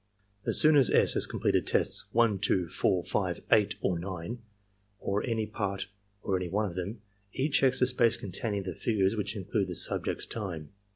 As soon as S. has completed tests 1, 2, 4, 5, 8, or 9, or any part of any one of them, E. checks the space containing the figures which include the subject's time.